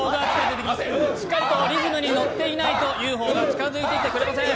しっかりとリズムに乗っていないと、ＵＦＯが近づいてくれません。